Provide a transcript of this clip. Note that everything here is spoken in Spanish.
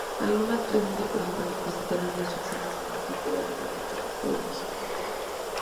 Algunas clases de personaje presentan restricciones en el tipo de alineamiento que pueden elegir.